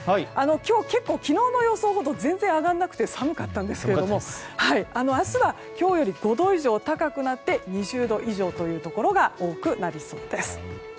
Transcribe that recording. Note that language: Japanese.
今日は結構昨日の予想ほど上がらなくて寒かったんですが、明日は今日より５度以上高くなって２０度以上というところが多くなりそうです。